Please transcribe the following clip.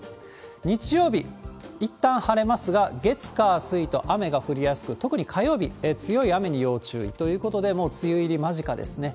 日曜日、いったん晴れますが、月、火、水と雨が降りやすく、特に火曜日、強い雨に要注意ということで、もう梅雨入り間近ですね。